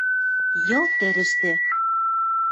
Йыл тӹрӹштӹ